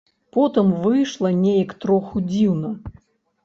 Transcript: Потым выйшла неяк троху дзіўна.